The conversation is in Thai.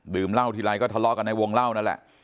เหล้าทีไรก็ทะเลาะกันในวงเล่านั่นแหละ